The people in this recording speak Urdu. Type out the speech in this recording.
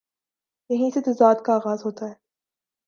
یہیں سے تضاد کا آ غاز ہو تا ہے۔